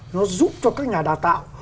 nó giúp cho các nhà đào tạo